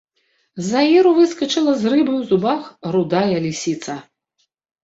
З аіру выскачыла з рыбай у зубах рудая лісіца.